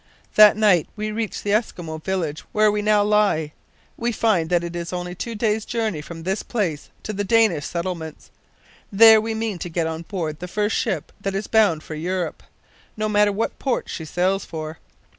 "That night we reached the Eskimo village, where we now lie. We find that it is only two days' journey from this place to the Danish settlements. There we mean to get on board the first ship that is bound for Europe no matter what port she sails for.